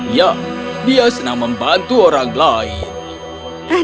ya dia senang membantu orang lain